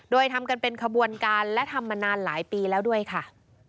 โดยทำกันเป็นขบวนการและทำมานานหลายปีแล้วด้วยค่ะ